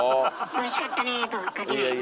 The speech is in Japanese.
「おいしかったね」とかかけないのね。